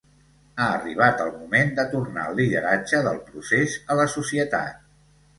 Ha arribat el moment de tornar el lideratge del procés a la societat.